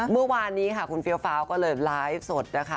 เมื่อวานนี้ค่ะคุณเฟี้ยวฟ้าวก็เลยไลฟ์สดนะคะ